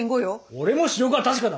俺も視力は確かだ！